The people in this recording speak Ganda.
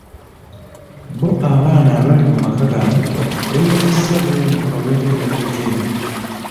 Bo abaana abali mu maka gano beebazizza Beene olw'enteekateeka eno.